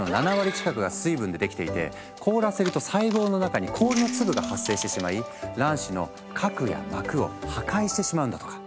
実は卵子の凍らせると細胞の中に氷の粒が発生してしまい卵子の核や膜を破壊してしまうんだとか。